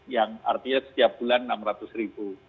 yang artinya setiap bulan enam ratus ribu